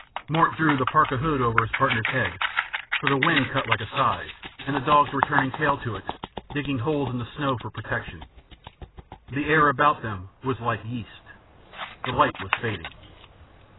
Mort drew the parka hood over his partner's head, for the wind cut like a scythe and the dogs were turning tail to it, digging holes in the snow for protection. The air about them was like yeast; the light was fading.